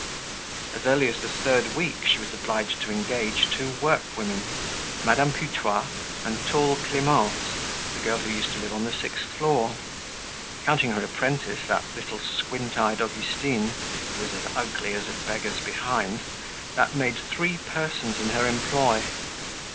As early as the third week she was obliged to engage two workwomen, Madame Putois and tall Clemence, the girl who used to live on the sixth floor; counting her apprentice, that little squint eyed Augustine, who was as ugly as a beggar's behind, that made three persons in her employ.